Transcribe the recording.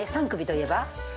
３首といえば？